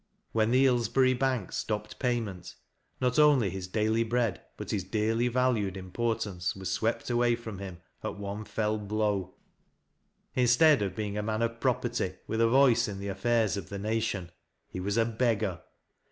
When the Illsbery Bank stopped pay ment, not only his daily bread but his dearly valued Im portnnce was swept away from him at one fell blow liistead of being a mar of proper ty, with a voice in th€ ''OWD SAMMT" IN TROUBLE. 117 iiffaii'S of the Ration, tie was a beggar.